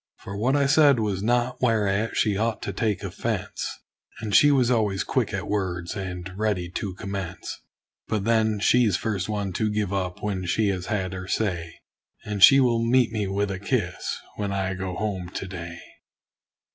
For what I said was naught whereat she ought to take offense; And she was always quick at words and ready to commence. But then she's first one to give up when she has had her say; And she will meet me with a kiss, when I go home to day.